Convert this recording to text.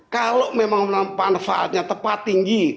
kalau memang manfaatnya tepat tinggi